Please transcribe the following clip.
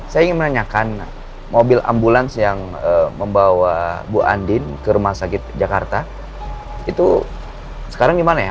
saya ingin menanyakan mobil ambulans yang membawa bu andin ke rumah sakit jakarta itu sekarang gimana ya